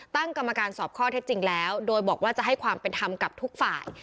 ตั้งกรรมการสอบข้อเท็จจริงแล้วโดยบอกว่าจะให้ความเป็นธรรมกับทุกฝ่าย